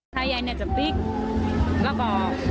ทายใหญ่จะปลิ๊กแล้วก็